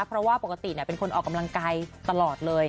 เพราะว่าปกติเป็นคนออกกำลังกายตลอดเลย